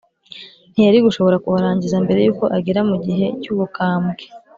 ntiyari gushobora kuharangiza mbere y'uko agera mu gihe cy'ubukambwe.